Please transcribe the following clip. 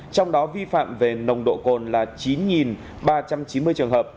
trong đó vi phạm về nồng độ cồn là chín ba trăm chín mươi trường hợp